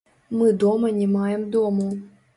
Мы дома не маем дому.